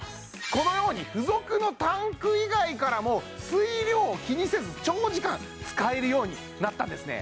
このように付属のタンク以外からも水量を気にせず長時間使えるようになったんですね